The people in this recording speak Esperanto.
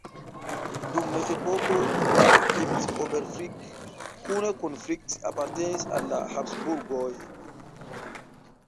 Dum mezepoko Gipf-Oberfrick kune kun Frick apartenis al la Habsburgoj.